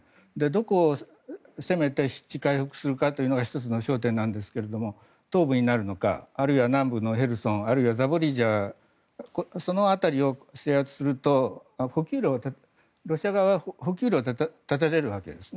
どこを攻めて失地を回復するかというのが１つの焦点なんですが東部になるのかあるいは南部のヘルソンあるいはザポリージャその辺りを制圧するとロシア側は補給路を断たれるわけです。